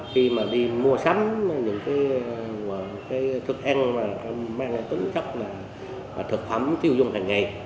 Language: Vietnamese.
khi mà đi mua sắm những cái thực ăn mang tính chất là thực phẩm tiêu dung hàng ngày